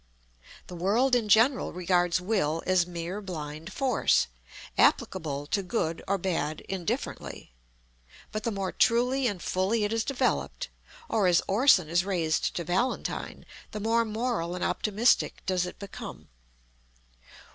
The world in general regards Will as mere blind force, applicable to good or bad indifferently. But the more truly and fully it is developed, or as Orson is raised to Valentine, the more moral and optimistic does it become.